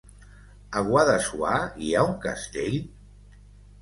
A Guadassuar hi ha un castell?